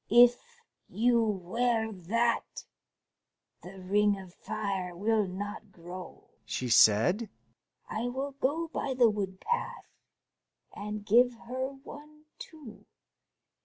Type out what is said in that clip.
"If you wear that, the ring of fire will not grow," she said. "I will go by the woodpath, and give her one, too.